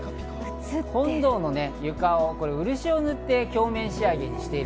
本堂の床を漆を塗って鏡面仕上げにしている。